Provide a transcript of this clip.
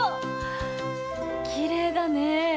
きれいだね。